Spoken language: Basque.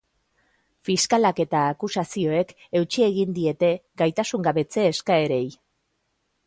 Fiskalak eta akusazioek eutsi egin diete gaitasungabetze eskaerei.